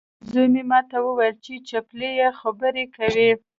زوی مې ماته وویل چې چپلۍ یې خبرې کوي.